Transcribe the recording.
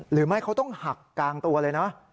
หรือไม่เขาต้องหักกลางตัวเลยนะ